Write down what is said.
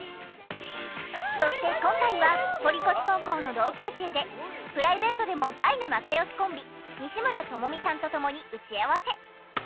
そして今回は堀越高校の同級生でプライベートでも大の仲良しコンビ西村知美さんと共に打ち合わせ。